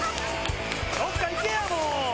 どっか行けやもう！